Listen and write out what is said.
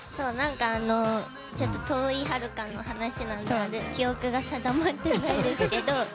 ちょっと遠いはるかの話なので記憶が定まってないですけど。